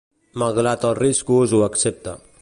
Malgrat els riscos, ho accepta.